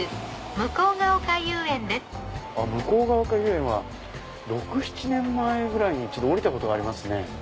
向ヶ丘遊園は６７年前ぐらいに一度降りたことがありますね。